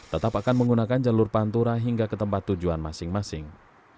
tetap akan menggunakan jalur pantura hingga ke tempat tujuan masing masing